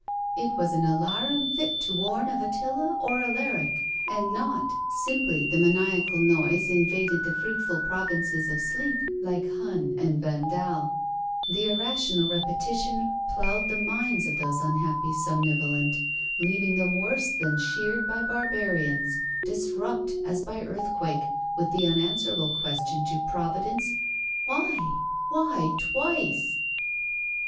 It was an alarum fit to warn of Attila or Alaric; and not, simply the maniacal noise invaded the fruitful provinces of sleep like Hun and Vandal, the irrational repetition ploughed the minds of those unhappy somnivolents, leaving them worse than sheared by barbarians, disrupt, as by earthquake, with the unanswerable question to Providence, Why! Why twice?